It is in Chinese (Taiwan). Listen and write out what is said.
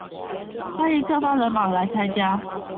歡迎各方人馬來參加